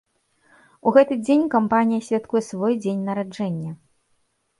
У гэты дзень кампанія святкуе свой дзень нараджэння.